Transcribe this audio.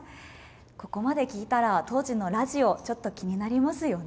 ここまで聞いたら当時のラジオ気になりますよね。